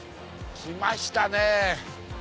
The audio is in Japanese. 来ましたね。